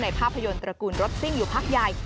ภาพยนตร์ตระกูลรถซิ่งอยู่พักใหญ่